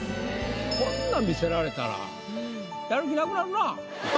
こんなん見せられたらやる気なくなるなぁ。